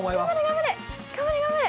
頑張れ頑張れ。